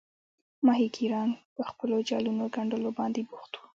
ماهیګیران پر خپلو جالونو ګنډلو باندې بوخت وو.